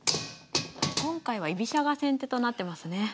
今回は居飛車が先手となってますね。